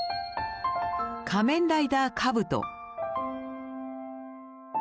「仮面ライダーカブト」。